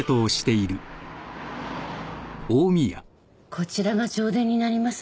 こちらが弔電になります。